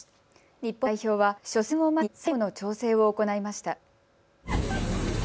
日本代表は初戦を前に最後の調整を行いました。